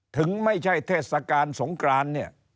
ถึงไม่ใช่เทศกาลสงกรานเนี่ย